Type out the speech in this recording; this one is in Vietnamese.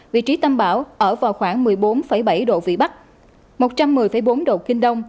vị trí tâm áp thấp nhiệt đới ở vào khoảng một mươi bốn bảy độ vị bắc một trăm một mươi bốn độ kinh đông